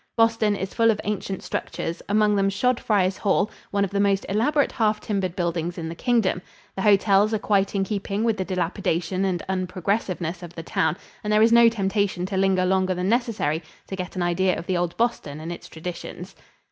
Boston is full of ancient structures, among them Shodfriars Hall, one of the most elaborate half timbered buildings in the Kingdom. The hotels are quite in keeping with the dilapidation and unprogressiveness of the town and there is no temptation to linger longer than necessary to get an idea of the old Boston and its traditions.